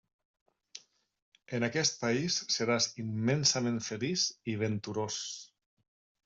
En aquest país seràs immensament feliç i venturós.